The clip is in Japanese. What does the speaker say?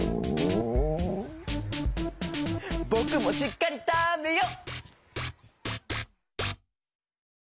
ぼくもしっかりたべよ！